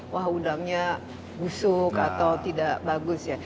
wah udangnya busuk atau tidak bagus ya